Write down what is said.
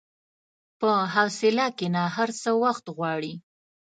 په حوصله کښېنه، هر څه وخت غواړي.